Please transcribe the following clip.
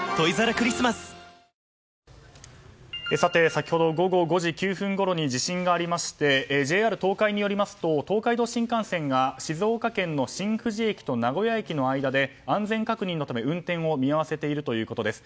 先ほど午後５時９分ごろに地震がありましてＪＲ東海によりますと東海道新幹線が静岡県の新富士駅と名古屋駅の間で安全確認のため運転を見合わせているということです。